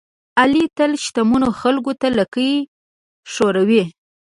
علي تل شتمنو خلکوته لکۍ خوروي.